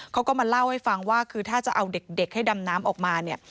เขาก็มาเล่าให้ฟังว่าคือถ้าจะเอาเด็กให้ดำน้ำออกมาเนี่ย